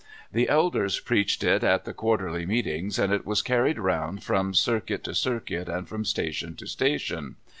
The elders preached it at the quarterly meetings, and it was carried around from circuit to circuit and from station to station.